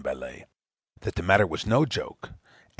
Baillet, "that the matter was no joke, M.